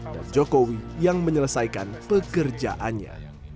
dan jokowi yang menyelesaikan pekerjaannya